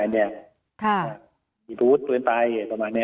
พูดอาหารที่เป็นส่วนเนรทชานายเนี่ย